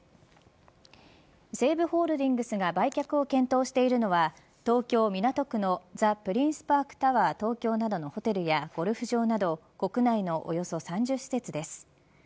西武ホールディングスが売却を検討しているのは東京、港区のザ・プリンスパークタワー東京などのホテルやゴルフ場など国内のおよそ３０施設です。